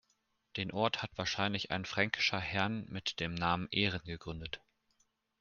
Den Ort hat wahrscheinlich ein fränkischer Herrn mit dem Namen "Erin" gegründet.